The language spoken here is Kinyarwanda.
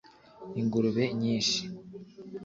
ingurube nyinshi